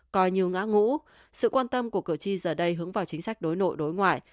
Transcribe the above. coi như ngã ngũ sự quan tâm của cử tri giờ đây hướng vào chính sách đối nội đối ngoại